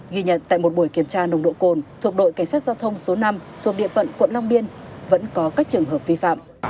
ghi nhận tại một buổi kiểm tra nồng độ cồn thuộc đội cảnh sát giao thông số năm thuộc địa phận quận long biên vẫn có các trường hợp vi phạm